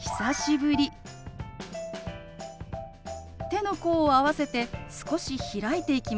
手の甲を合わせて少し開いていきます。